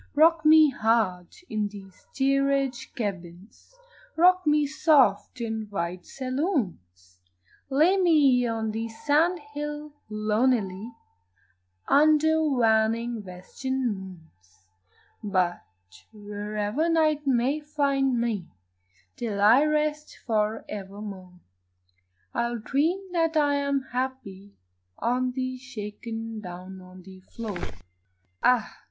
Rock me hard in steerage cabins, Rock me soft in wide saloons, Lay me on the sand hill lonely Under waning western moons; But wherever night may find me Till I rest for evermore I will dream that I am happy On the shake down on the floor. Ah!